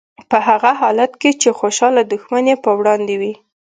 په هغه حالت کې چې خوشحاله دښمن یې په وړاندې وي.